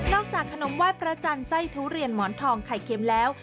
จากขนมไหว้พระจันทร์ไส้ทุเรียนหมอนทองไข่เค็มแล้ว